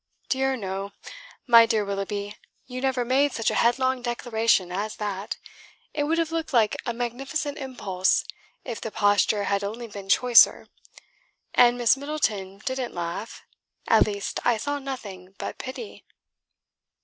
Dear, no! My dear Willoughby, you never made such a headlong declaration as that. It would have looked like a magnificent impulse, if the posture had only been choicer. And Miss Middleton didn't laugh. At least I saw nothing but pity."